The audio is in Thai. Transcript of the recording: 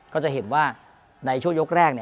ก็จะเห็นว่าในช่วงยกแรก